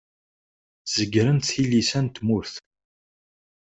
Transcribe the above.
Zegrent tilisa n tmurt.